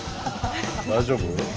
大丈夫？